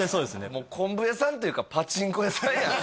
もう昆布屋さんというかパチンコ屋さんやん